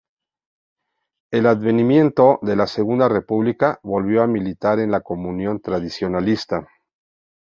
Al advenimiento de la Segunda República, volvió a militar en la Comunión Tradicionalista.